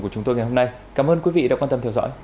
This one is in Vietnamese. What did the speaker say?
của chúng tôi ngày hôm nay cảm ơn quý vị đã quan tâm theo dõi